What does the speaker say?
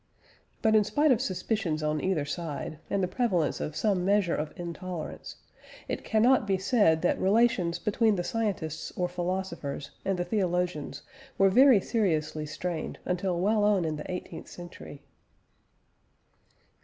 But in spite of suspicions on either side, and the prevalence of some measure of intolerance, it cannot be said that relations between the scientists or philosophers and the theologians were very seriously strained until well on in the eighteenth century.